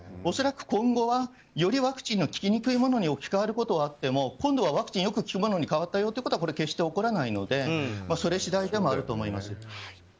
恐らく今後はよりワクチンの効きにくいものに置き換わることはあっても今度はワクチンがよく効くものに変わったよってことは決して起こらないのでそれ次第だと思います。